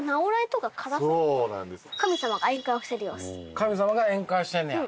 神様が宴会してんねや？